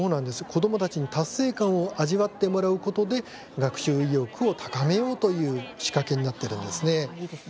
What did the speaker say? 子どもたちに達成感を味わってもらうことで学習意欲を高めようという仕掛けになっているんです。